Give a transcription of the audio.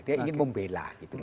dia ingin membela gitu